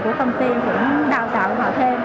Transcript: của công ty cũng đào tạo vào thêm